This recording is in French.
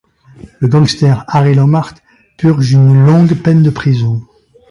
Le gangster Harry Lomart purge une longue peine de prison.